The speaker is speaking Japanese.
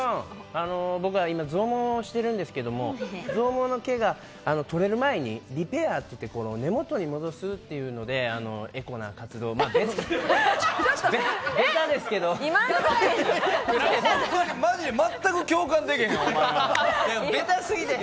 僕は今、増毛してるんですけれども、増毛の毛が取れる前にリペアっていって、根元に戻すっていうので、マジで全く共感できへん。